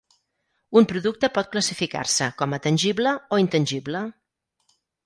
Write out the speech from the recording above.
Un producte pot classificar-se com a tangible o intangible.